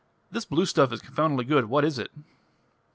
This blue stuff is confoundedly good: what is it?"